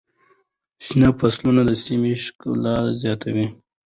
شنه فصلونه د سیمې ښکلا زیاتوي.